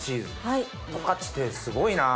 十勝ってすごいな。